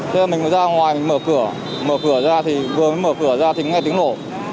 thế mình ra ngoài mở cửa vừa mới mở cửa ra thì nghe tiếng nổ